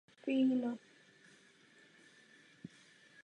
Hlasování se bude konat okamžitě.